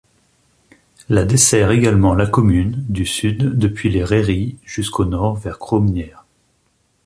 La dessert également la commune, du sud depuis Les Rairies jusqu'au nord vers Crosmières.